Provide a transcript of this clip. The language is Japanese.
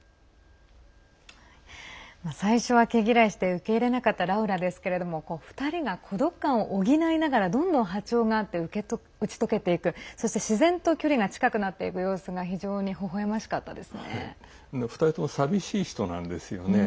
最初は毛嫌いして受け入れなかったラウラですけれども２人が孤独感を補いながらどんどん波長が合って打ち解けていくそして自然と距離が近くなっていく様子が２人とも寂しい人なんですよね。